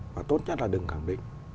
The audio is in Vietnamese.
và tốt nhất là đừng khẳng định